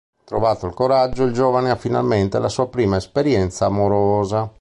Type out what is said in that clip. Trovato il coraggio, il giovane ha finalmente la sua prima esperienza amorosa.